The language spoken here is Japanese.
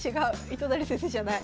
糸谷先生じゃない。